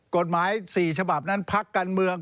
กฎหมาย๔ฉบับนั้นพักการเมือง